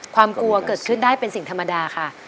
ความกลัวเกิดขึ้นได้เป็นสิ่งธรรมดาค่ะ